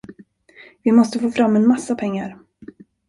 Vi måste få fram en massa pengar.